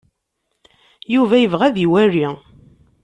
Yuba yebɣa ad iwali.